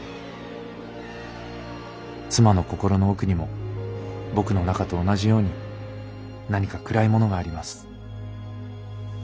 妻の心の奥にも僕の中と同じように何か暗いものがあります。